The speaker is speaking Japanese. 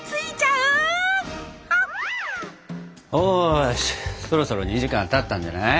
よしそろそろ２時間たったんじゃない？